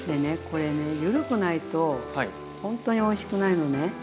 これねゆるくないとほんとにおいしくないのね。